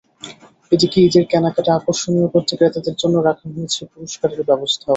এদিকে ঈদের কেনাকাটা আকর্ষণীয় করতে ক্রেতাদের জন্য রাখা হয়েছে পুরস্কারের ব্যবস্থাও।